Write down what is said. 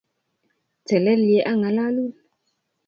Telel ye angalalun